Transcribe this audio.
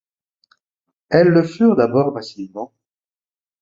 Elles le furent d'abord massivement.